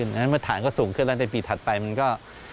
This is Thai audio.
เพราะฉะนั้นเมื่อฐานก็สูงขึ้นแล้วในปีถัดไปมันก็